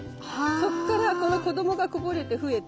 そっからこの子どもがこぼれて増えて。